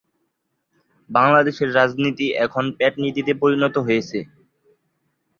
নিজের উত্থান পতন আর ফিরে আসাকে যেভাবে দেখেন বাংলাদেশের 'কাটার মাস্টার'